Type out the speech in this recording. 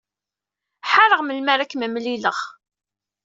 Ḥareɣ melmi ara kem-mlileɣ.